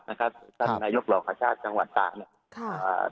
ต้านายกหลอกขชาติจังหวัดต่าง